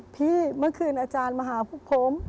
เมื่อคืนอาจารย์มาหาพวกผม